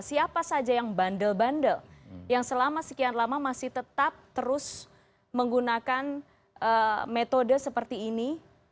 siapa saja yang bandel bandel yang selama sekian lama masih tetap terus menggunakan metode seperti ini